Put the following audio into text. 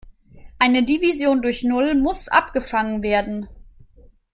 Eine Division durch Null muss abgefangen werden.